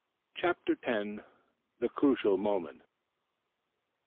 CHAPTER X. THE CRUCIAL MOMENT.